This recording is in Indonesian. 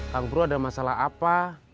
kang pro ada masalah apa